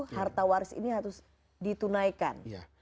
harta waris ini harus ditunaikan